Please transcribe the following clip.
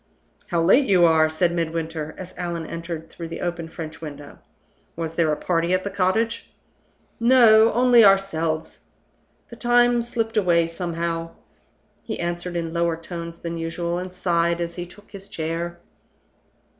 "How late you are!" said Midwinter, as Allan entered through the open French window. "Was there a party at the cottage?" "No! only ourselves. The time slipped away somehow." He answered in lower tones than usual, and sighed as he took his chair.